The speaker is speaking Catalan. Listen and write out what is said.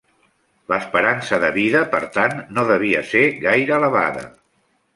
L’esperança de vida, per tant, no devia ser gaire elevada.